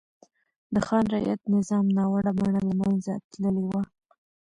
د خان رعیت نظام ناوړه بڼه له منځه تللې وه.